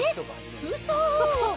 うそ？